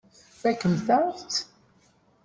Tfakemt-aɣ-tt.